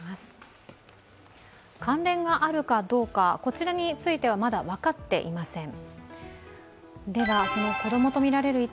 関連があるかどうか、こちらについてはまだ分かっていません。